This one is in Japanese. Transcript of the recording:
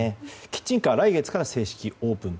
キッチンカー来月から正式にオープン。